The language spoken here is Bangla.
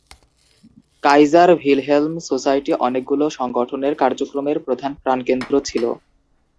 কাইজার ভিলহেল্ম সোসাইটি অনেকগুলো সংগঠনের কার্যক্রমের প্রধান প্রাণকেন্দ্র ছিল।